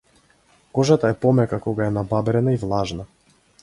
Кожата е помека кога е набабрена и влажна.